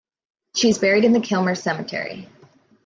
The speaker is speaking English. She is buried in the Kilmuir Cemetery.